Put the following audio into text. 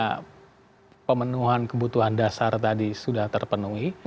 karena pemenuhan kebutuhan dasar tadi sudah terpenuhi